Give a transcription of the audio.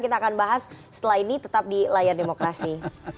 kita akan bahas setelah ini tetap di layar demokrasi